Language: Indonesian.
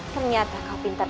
ternyata kau pintar